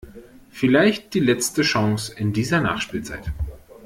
Vielleicht die letzte Chance in dieser Nachspielzeit.